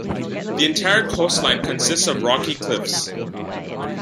The entire coastline consists of rocky cliffs.